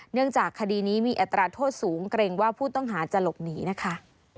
เนื่องจากคดีนี้มีอัตราโทษสูงเกรงว่าผู้ต้องหาจะหลบหนีนะคะ